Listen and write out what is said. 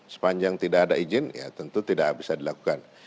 sepanjang tidak ada izin ya tentu tidak bisa dilakukan